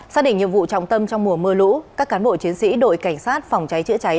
xác định nhiệm vụ trọng tâm trong mùa mưa lũ các cán bộ chiến sĩ đội cảnh sát phòng cháy chữa cháy